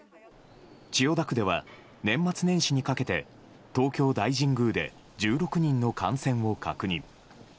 千代田区では年末年始にかけて東京大神宮で１６人の感染を確認。